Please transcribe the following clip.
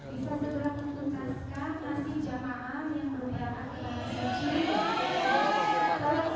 bisa segera menuntaskan kasih jama'an yang merupakan ilham saksi